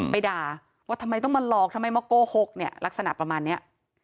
ไปด่าว่าทำไมต้องมาหลอกทำไมมาโกหกเนี่ยลักษณะประมาณนี้